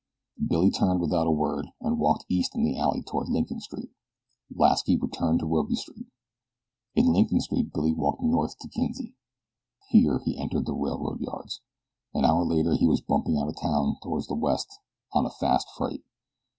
Billy turned without a word and walked east in the alley toward Lincoln Street. Lasky returned to Robey Street. In Lincoln Street Billy walked north to Kinzie. Here he entered the railroad yards. An hour later he was bumping out of town toward the West on a fast freight.